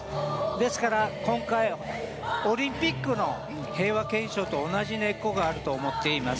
ですから今回、オリンピックの平和憲章と同じ根っこがあると思っています。